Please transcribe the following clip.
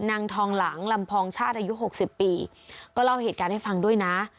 นางทองหลังลำพองชาติอายุหกสิบปีก็เล่าเหตุการณ์ให้ฟังด้วยนะ